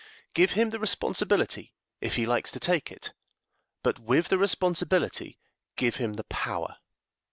Give him the responsibility if he likes to take it, but with the responsibility give him the power.